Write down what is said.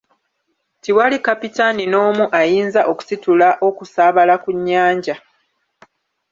Tiwali Kapitaani n'omu ayinza okusitula okusaabala ku nnyanja.